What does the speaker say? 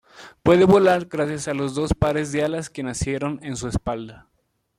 Puede volar gracias a los dos pares de alas que nacieron en su espalda.